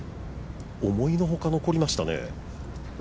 思いのほか残りましたね。